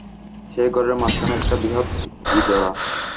সেই ঘরের মাঝখানে একটা বৃহৎ ইঁদারা।